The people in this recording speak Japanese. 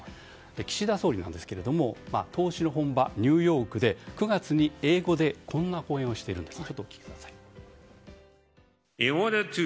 岸田総理なんですが投資の本場、ニューヨークで９月に、英語でこんな講演をしているんです。